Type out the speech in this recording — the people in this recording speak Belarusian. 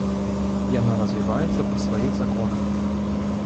Яна развіваецца па сваіх законах.